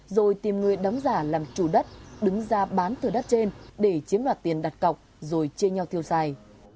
rồi tìm người đóng giả làm chủ đất đứng ra bán thờ đất trên để chiếm loạt tiền đặt cọc rồi chia nhau thiêu xài